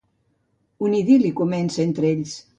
Un idil·li comença entre ells.